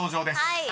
はい。